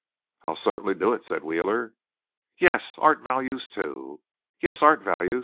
"I'll certainly do it," said Wheeler. "Yes. 'Art values' too." "Yes. 'Art values.'